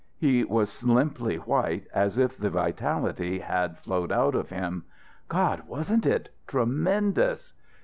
He was limply white, as if the vitality had flowed out of him. "God! Wasn't it tremendous?"